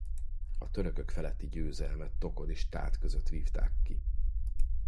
A törökök feletti győzelmet Tokod és Tát között vívták ki.